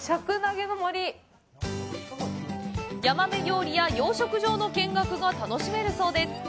ヤマメ料理や養殖場の見学が楽しめるそうです。